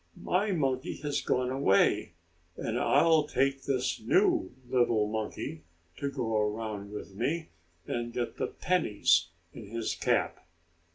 My monkey has gone away, and I'll take this new little monkey to go around with me and get the pennies in his cap."